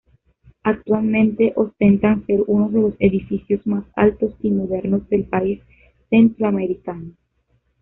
Actualmente ostentan ser unos de los edificios más altos y modernos del país centroamericano.